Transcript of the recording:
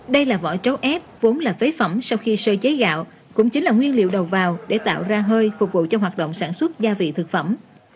đây là vỏ trấu ép vốn là phế phẩm sau khi sơ chế gạo cũng chính là nguyên liệu đầu vào để tạo ra hơi phục vụ cho hoạt động sản xuất gia vị thực phẩm